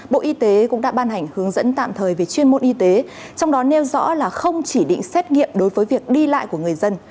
bộ y tế cũng đã ban hành hướng dẫn tạm thời về chuyên môn y tế trong đó nêu rõ là không chỉ định xét nghiệm đối với việc đi lại của người dân